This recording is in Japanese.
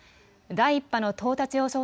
第１波の到達予想